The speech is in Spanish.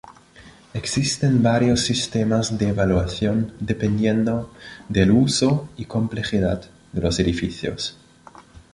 Existen varios sistemas de evaluación dependiendo de el uso y complejidad de los edificios.